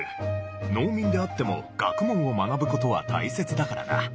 農民であっても学問を学ぶことは大切だからな。